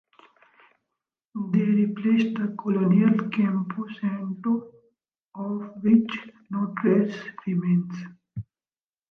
They replaced the colonial Campo Santo, of which no trace remains.